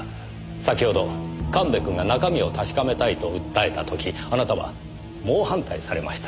先ほど神戸くんが中身を確かめたいと訴えた時あなたは猛反対されました。